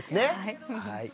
はい。